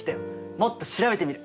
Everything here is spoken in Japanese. もっと調べてみる。